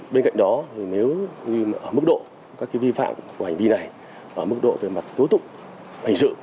bên cạnh đó nếu mức độ các cái vi phạm của hành vi này mức độ về mặt tố tụng hành sự